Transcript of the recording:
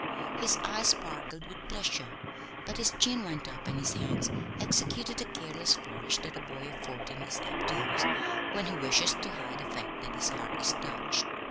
His eyes sparkled with pleasure but his chin went up, and his hands executed the careless flourish that a boy of fourteen is apt to use when he wishes to hide the fact that his heart is touched.